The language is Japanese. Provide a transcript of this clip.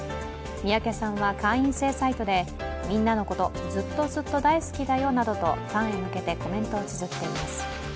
三宅さんは会員制サイトでみんなのこと、ずっとずっと大好きだよなどとファンへ向けてコメントをつづっています。